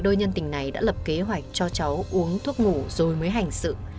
đôi nhân tỉnh này đã lập kế hoạch cho cháu uống thuốc ngủ rồi mới hành sự